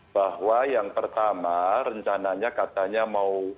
bahwa yang pertama rencananya katanya mau